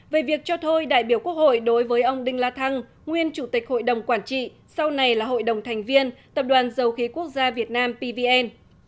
về việc cho thôi đại biểu quốc hội đối với ông đinh la thăng nguyên chủ tịch hội đồng quản trị sau này là hội đồng thành viên tập đoàn dầu khí quốc gia việt nam pvn